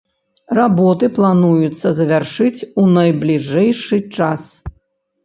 Работы плануецца завяршыць у найбліжэйшы час.